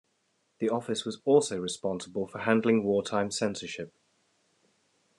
The office was also responsible for handling wartime censorship.